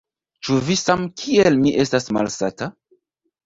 Ĉu vi samkiel mi estas malsata?